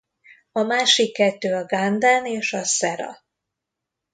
A másik kettő a Ganden és a Szera.